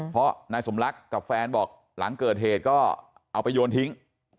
เพราะนายสมรักกับแฟนบอกหลังเกิดเหตุก็เอาไปโยนทิ้ง